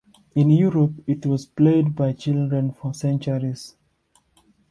In Europe it was played by children for centuries.